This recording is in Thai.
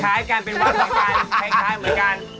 คล้ายกันเป็นวัดเหมือนกัน